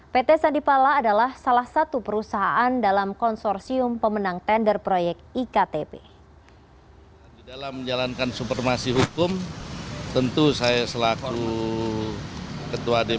pt sandipala adalah salah satu perusahaan dalam konsorsium pemenang tender proyek iktp